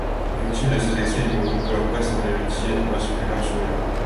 Victime de ses excès, il mourut peu après sans héritier masculin survivant.